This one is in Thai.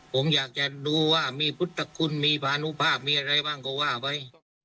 ผมอยากจะดูว่ามีพุทธคุณมีพานุภาพมีอะไรบ้างก็ว่าไว้